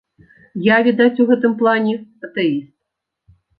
Я, відаць, у гэтым плане атэіст.